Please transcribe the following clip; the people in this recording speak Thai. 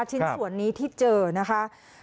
ชิ้นส่วนนี้ที่เจอนะคะ